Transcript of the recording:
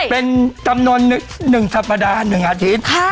เป็นจำนวน๑สัปดาห์๑อาทิตย์